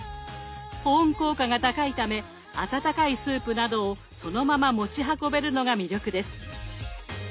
保温効果が高いため温かいスープなどをそのまま持ち運べるのが魅力です。